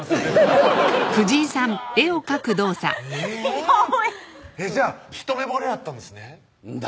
似顔絵じゃあ一目ぼれやったんですねんだ！